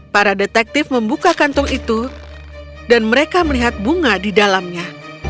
para detektif membuka kantung itu dan mereka melihat bunga di dalamnya